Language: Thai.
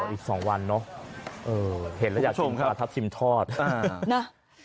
อ๋ออีกสองวันเนอะเออเห็นแล้วอยากชมครับปลาทับทิมทอดอ่านะเอ่อ